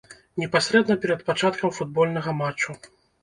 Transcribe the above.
Непасрэдна перад пачаткам футбольнага матчу.